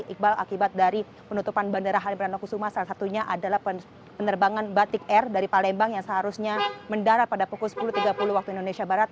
iqbal akibat dari penutupan bandara halim perdana kusuma salah satunya adalah penerbangan batik air dari palembang yang seharusnya mendarat pada pukul sepuluh tiga puluh waktu indonesia barat